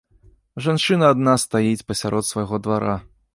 Жанчына адна стаіць пасярод свайго двара.